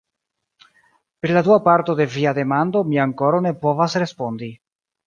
Pri la dua parto de via demando mi ankoraŭ ne povas respondi.